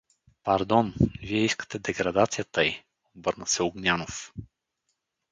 — Пардон, вие искате деградацията й — обърна се Огнянов.